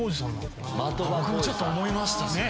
僕もちょっと思いました。